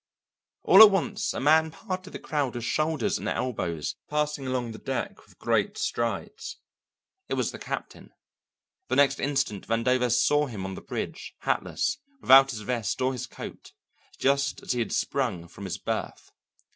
All at once a man parted the crowd with shoulders and elbows, passing along the deck with great strides. It was the captain. The next instant Vandover saw him on the bridge, hatless, without his vest or his coat, just as he had sprung from his berth.